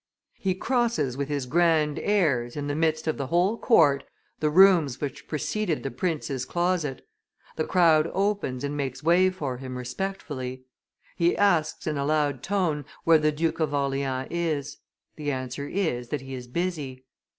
He crosses with his grand airs, in the midst of the whole court, the rooms which preceded the prince's closet; the crowd opens and makes way for him respectfully. He asks, in a loud tone, where the Duke of Orleans is; the answer is that he is busy.